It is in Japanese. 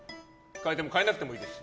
変えても変えなくてもいいです。